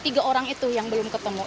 tiga orang itu yang belum ketemu